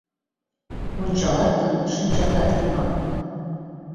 Ончалат гын, шинчатат йыма.